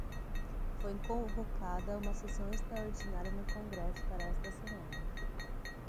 Foi convocada uma sessão extraordinária no congresso para esta semana